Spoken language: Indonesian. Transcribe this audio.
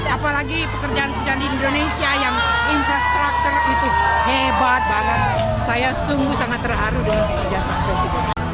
apalagi pekerjaan pekerjaan di indonesia yang informatif